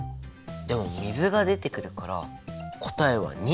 でも水が出てくるから答えは②？